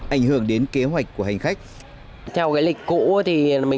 ảnh hưởng đến kế hoạch của hành khách